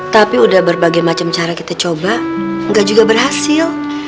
tapi udah berbagai macam cara kita coba nggak juga berhasil